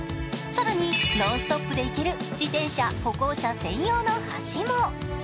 更にノンストップで行ける自転車・歩行者専用の橋も。